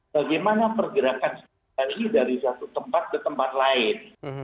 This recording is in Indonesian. bagaimana pergerakan dari satu tempat ke tempat lain